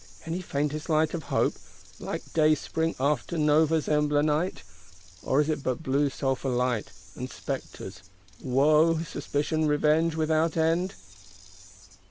Any faintest light of hope; like dayspring after Nova Zembla night? Or is it but blue sulphur light, and spectres; woe, suspicion, revenge without end?